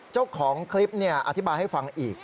เจ้าของคลิปอธิบายให้ฟังอีก